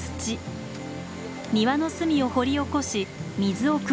庭の隅を掘り起こし水を加えます。